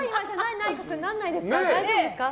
大丈夫ですか？